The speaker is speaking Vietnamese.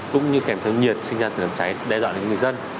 cũng như kèm thương nhiệt sinh ra từ cháy đe dọa đến người dân